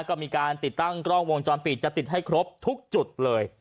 ก็มีการติดตั้งกล้องวงจรปิดจะติดให้ครบทุกจุดเลย